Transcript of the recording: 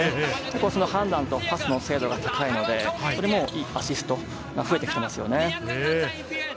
その判断とパスの精度が高いので、良いアシストが増えてきていますね。